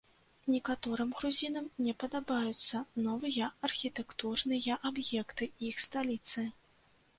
Некаторым грузінам не падабаюцца новыя архітэктурныя аб'екты іх сталіцы.